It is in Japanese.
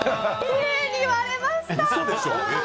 きれいに割れました！